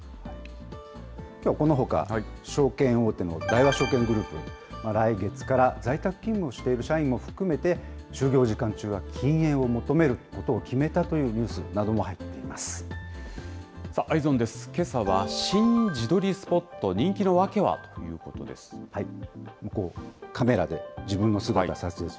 きょうはこのほか、証券大手の大和証券グループ、来月から在宅勤務をしている社員も含めて、就業時間中は禁煙を求めることを決めたというニュースなども入っさあ、Ｅｙｅｓｏｎです。